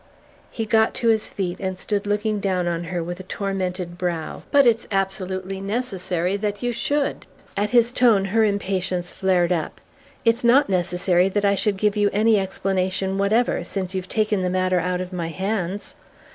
He got to his feet and stood looking down on her with a tormented brow. "But it's absolutely necessary that you should." At his tone her impatience flared up. "It's not necessary that I should give you any explanation whatever, since you've taken the matter out of my hands.